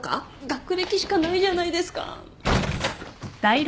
学歴しかないじゃないですか。